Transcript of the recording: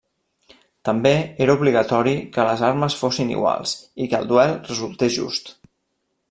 També era obligatori que les armes fossin iguals i que el duel resultés just.